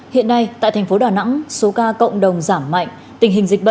hiện nay tại thành phố đà nẵng số ca cộng đồng giảm mạnh